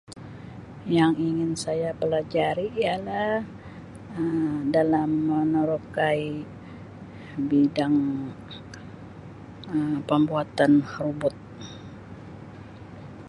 Yang ingin saya pelajari ialah Um dalam menerokai bidang Um pembuatan robot.